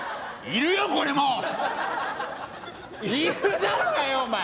いるよこれも！